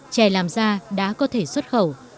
trẻ làm ra đã có thể xuất khẩu